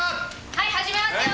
はい始めますよ！